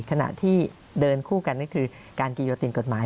ขณะที่เดินคู่กันนี่คือการกีโยตินกฎหมาย